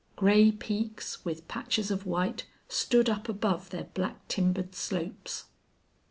Gray peaks, with patches of white, stood up above their black timbered slopes.